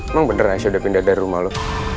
emang bener aja udah pindah dari rumah lo